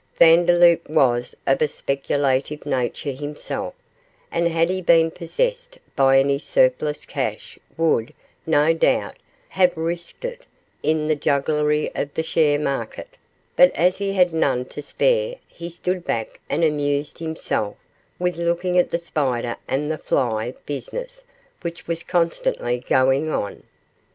Vandeloup was of a speculative nature himself, and had he been possessed of any surplus cash would, no doubt, have risked it in the jugglery of the share market, but as he had none to spare he stood back and amused himself with looking at the 'spider and the fly' business which was constantly going on.